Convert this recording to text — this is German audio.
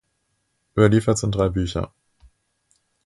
Überliefert sind drei Bücher.